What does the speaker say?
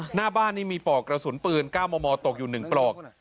หน้าบ้านนี่มีปลอกกระสุนปืน๙มมตกอยู่๑ปลอก